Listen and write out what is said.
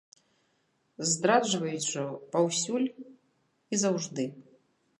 Здраджваюць жа паўсюль і заўжды.